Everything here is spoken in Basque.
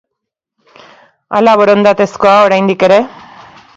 Ala borondatezkoa oraindik ere?